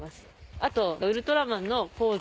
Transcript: あとウルトラマンのポーズ。